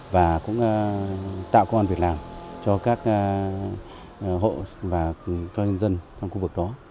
và cũng tạo công an việc làm cho các hộ và cho nhân dân trong khu vực đó